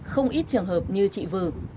không ít trường hợp như chị vư